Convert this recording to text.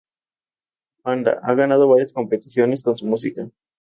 Panda ha ganado varias competiciones con su música.